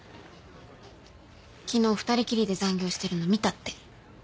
昨日二人きりで残業してるの見たって。